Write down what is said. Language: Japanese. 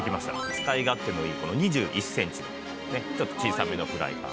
使い勝手のいいこの２１センチのねちょっと小さめのフライパン。